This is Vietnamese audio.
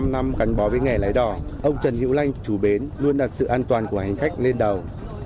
hai mươi năm năm cắn bó với nghề lái đỏ ông trần hiệu lanh chủ bến luôn đặt sự an toàn của hành khách lên đầu